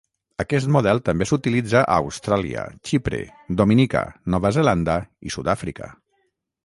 Aquest model també s'utilitza a Austràlia, Xipre, Dominica, Nova Zelanda i Sud-àfrica.